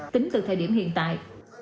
tính từ thời điểm hiện tại